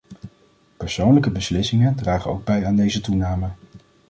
Persoonlijke beslissingen dragen ook bij aan deze toename.